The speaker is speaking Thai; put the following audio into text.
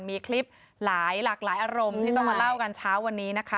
มีคลิปหลายหลากหลายอารมณ์ที่ต้องมาเล่ากันเช้าวันนี้นะคะ